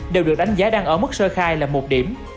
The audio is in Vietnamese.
đều được đánh giá đang ở mức sơ khai là một điểm